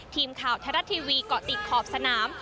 ทีมข่าวไทยรัฐทีวีเกาะติดขอบสนาม